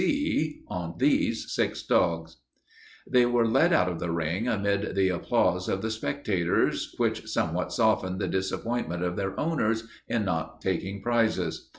H. C. on these six dogs." They were led out of the ring amid the applause of the spectators, which somewhat softened the disappointment of their owners in not taking prizes.